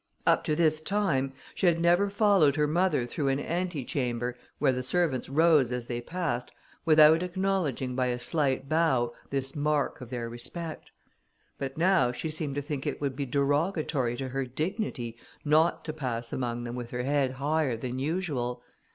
Up to this time, she had never followed her mother through an antechamber, where the servants rose as they passed, without acknowledging by a slight bow, this mark of their respect; but now she seemed to think it would be derogatory to her dignity, not to pass among them with her head higher than usual.